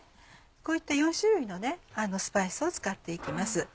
こういった４種類のスパイスを使って行きます。